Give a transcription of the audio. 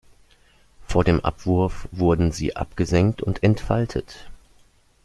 Vor dem Abwurf wurden sie abgesenkt und entfaltet.